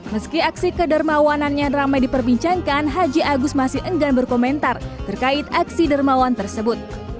meski aksi kedermawanannya ramai diperbincangkan haji agus masih enggan berkomentar terkait aksi dermawan tersebut